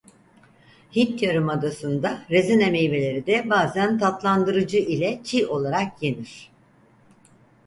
Hint yarımadasında rezene meyveleri de bazen tatlandırıcı ile çiğ olarak yenir.